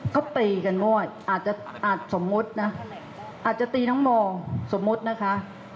ก็ตีกันงวดอาจจะอาจสมมุตินะอาจจะตีน้องโมสมมุตินะคะ